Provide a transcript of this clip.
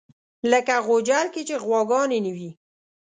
لکه غوجل کې چې غواګانې نه وي.